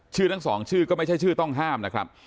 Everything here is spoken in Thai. ชื่อทั้งสองชื่อก็ไม่ใช่ชื่อต้องห้ามนะครับ